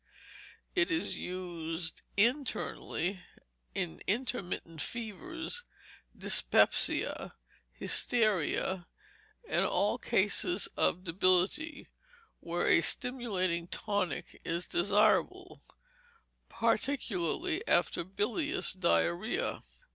It is used internally in intermittent fevers, dyspepsia, hysteria, and all cases of debility, where a stimulating tonic is desirable, particularly after bilious diarrhoea.